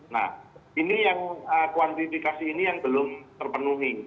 nah ini yang kuantifikasi ini yang belum terpenuhi